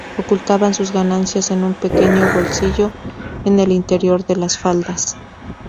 Ocultaban sus ganancias en un pequeño bolsillo en el interior de las faldas.